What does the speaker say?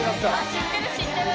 「知ってる知ってる」